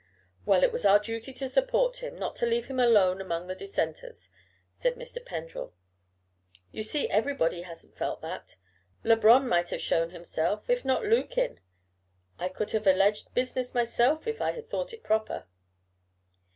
"Well, it was our duty to support him not to leave him alone among the Dissenters," said Mr. Pendrell. "You see everybody hasn't felt that. Labron might have shown himself, if not Lukyn. I could have alleged business myself if I had thought proper."